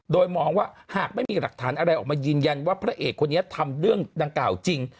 โดยมองว่าหากไม่มีหลักฐานอะไรออกมายืนยันว่าพระเอกคนนี้ทำเรื่องดังกล่าวจริง